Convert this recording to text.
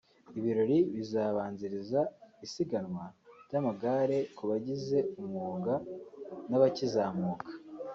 Ibirori bizabanzirizwa n’isiganwa ry’amagare ku babigize umwuga n’abakizamuka